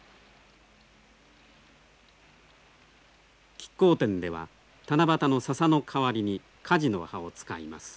乞巧奠では七夕の笹の代わりに梶の葉を使います。